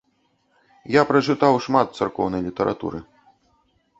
Я прачытаў шмат царкоўнай літаратуры.